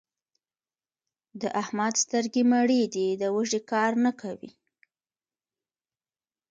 د احمد سترګې مړې دي؛ د وږي کار نه کوي.